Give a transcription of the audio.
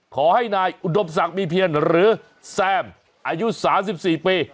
ขอให้นายอุดมศักดิ์มีเพียรหรือแซมอายุ๓๔ปี